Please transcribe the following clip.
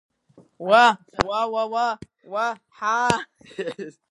Уаа, уауауа, уаа-ҳаа!